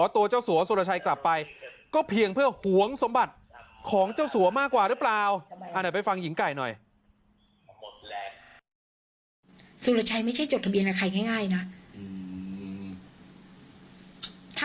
อาจารย์เดินเข้ามานี่คือห้องโถงนะคะเข้ามาเข้าหอกันออกไปไหนแล้วดูอะไรนี่